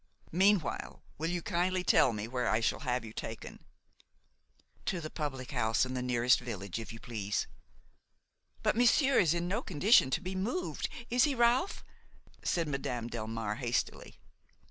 Meanwhile will you kindly tell me where I shall have you taken." "To the public house in the nearest village, if you please." "But monsieur is no condition to be moved, is he, Ralph?" said Madame Delmare hastily.